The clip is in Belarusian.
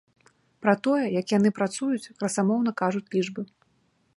Пра тое, як яны працуюць, красамоўна кажуць лічбы.